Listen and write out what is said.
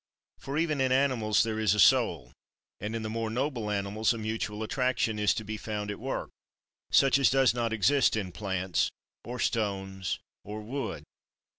For even in animals there is a soul; and in the more noble natures a mutual attraction is found to be at work, such as does not exist in plants, or stones, or wood.